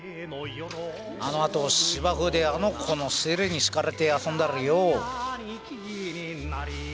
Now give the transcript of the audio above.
あのあと芝生であの子の尻に敷かれて遊んだりよう。